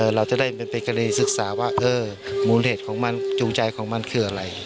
เราจะได้เป็นคดีศึกษาว่ามูลเหตุของมันจูงใจของมันคืออะไร